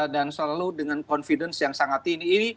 dan selalu dengan confidence yang sangat tinggi